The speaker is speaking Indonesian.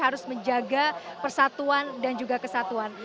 harus menjaga persatuan dan juga kesatuan